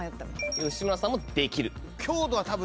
吉村さんも「できる」。